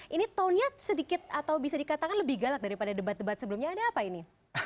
ini tone nya sedikit atau bisa dikatakan lebih galak daripada debat debat sebelumnya ada apa ini